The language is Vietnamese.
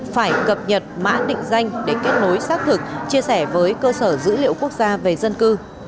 phải cập nhật mã định danh để kết nối xác thực chia sẻ với cơ sở dữ liệu quốc gia về dân cư